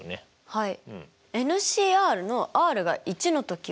はい。